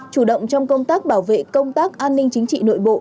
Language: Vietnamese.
chủ động trong công tác bảo vệ công tác an ninh chính trị nội bộ